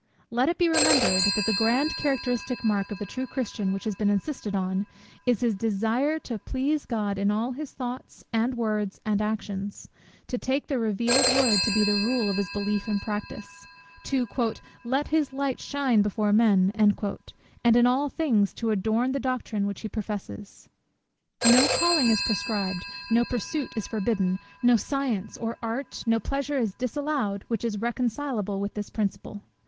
Let it be remembered, that the grand characteristic mark of the true Christian, which has been insisted on, is _his desiring to please God in all his thoughts, and words, and actions; to take the revealed word to be the rule of his belief and practice; to "let his light shine before men;" and in all things to adorn the doctrine which he professes_. No calling is proscribed, no pursuit is forbidden, no science or art, no pleasure is disallowed, which is reconcilable with this principle.